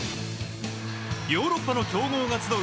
ヨーロッパの強豪が集う